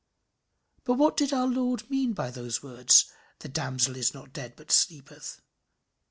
But what did our Lord mean by those words "The damsel is not dead, but sleepeth"?